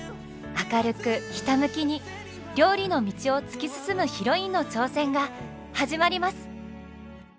明るくひたむきに料理の道を突き進むヒロインの挑戦が始まります！